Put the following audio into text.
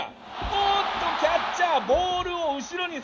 おっとキャッチャーボールを後ろにそらした！